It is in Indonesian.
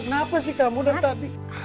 kenapa sih kamu dari tadi